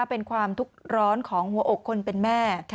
เป็นความทุกข์ร้อนของหัวอกคนเป็นแม่